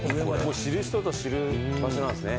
知る人ぞ知る場所なんですね。